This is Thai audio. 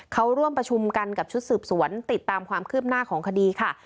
เขาร่วมประชุมกันกับชุดสืบสวนติดตามความคืบหน้าของคดีค่ะ